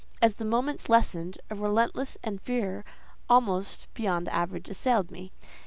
As the moments lessened, a restlessness and fear almost beyond the average assailed me.